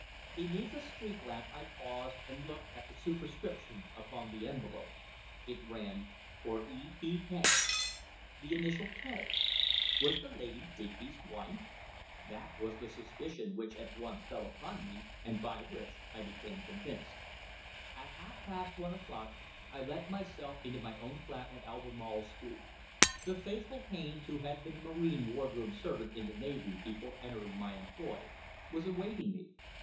Beneath a street lamp I paused and looked at the superscription upon the envelope. It ran: "For E. P. K." The initial K! Was the lady Digby's wife? That was the suspicion which at once fell upon me, and by which I became convinced. At half past one o'clock I let myself into my own flat in Albemarle Street. The faithful Haines, who had been a marine wardroom servant in the navy before entering my employ, was awaiting me.